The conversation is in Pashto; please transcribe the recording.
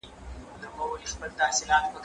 زه مخکي مځکي ته کتلې وې؟